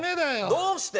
どうして？